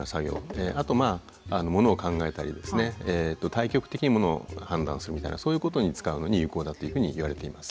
大局的にものを判断するみたいなそういうことに使うのに有効だというふうにいわれています。